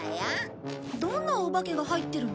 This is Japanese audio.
どんなお化けが入ってるの？